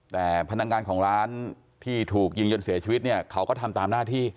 แต่พนักงานของร้านที่ถูกยิงจนเสียชีวิตเนี่ยเขาก็ทำตามหน้าที่